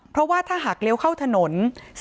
เพราะว่าถ้าหากเลี้ยวเข้าถนน